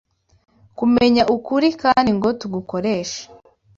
Kumenya ukuri kandi ngo tugukoreshe.